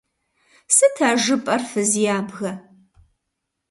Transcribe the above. Сыт а жыпӀэр, фыз ябгэ?!